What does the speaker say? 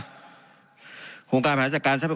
การปรับปรุงทางพื้นฐานสนามบิน